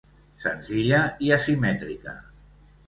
Senzilla i asimètrica.